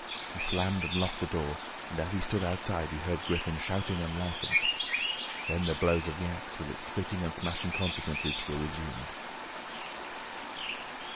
He slammed and locked the door, and as he stood outside he heard Griffin shouting and laughing. Then the blows of the axe with its splitting and smashing consequences, were resumed.